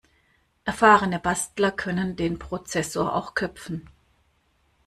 Erfahrene Bastler können den Prozessor auch köpfen.